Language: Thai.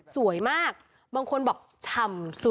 สวยมากบางคนบอกฉ่ำสุด